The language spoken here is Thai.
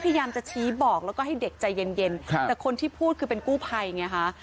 พยายามจะชี้บอกแล้วก็ให้เด็กใจเย็นเย็นแต่คนที่พูดคือเป็นกู้ภัยไงคะ